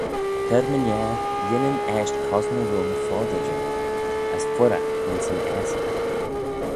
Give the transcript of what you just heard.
Cur-my-ner, yinnin eisht cosney roym foddey jeh: as fuirraght ayns yn aasagh.